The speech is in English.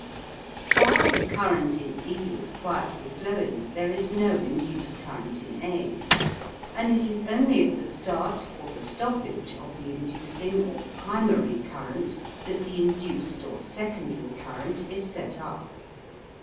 While the current in B is quietly flowing there is no induced current in A; and it is only at the start or the stoppage of the inducing or PRIMARY current that the induced or SECONDARY current is set up.